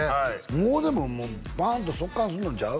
もうでもバーンと即完すんのんちゃう？